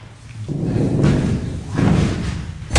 Err iman-ik deg uxxam-ik.